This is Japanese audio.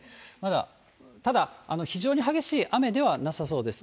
ただ、非常に激しい雨ではなさそうです。